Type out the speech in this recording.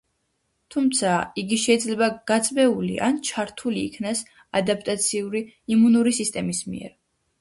თუმცა, იგი შეიძლება „გაწვეული“ ან ჩართულ იქნას ადაპტაციური იმუნური სისტემის მიერ.